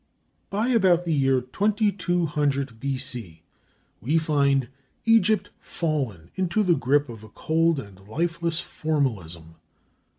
By about the year 2200 B.C. we find Egypt fallen into the grip of a cold and lifeless formalism.